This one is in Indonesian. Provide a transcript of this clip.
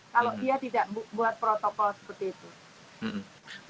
kalau dia tidak buat protokol seperti itu